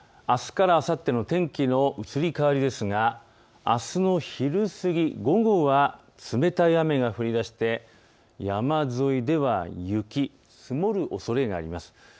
あすからあさっての天気の移り変わりですがあすの昼過ぎ、午後は冷たい雨が降りだして山沿いでは雪、積もるおそれがあります。